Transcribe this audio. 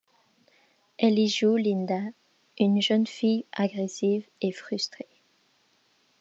Elle y joue Linda, une jeune fille agressive et frustrée.